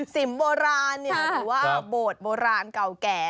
สิมโบราณเนี่ยหรือว่าโบดโบราณเก่าแก่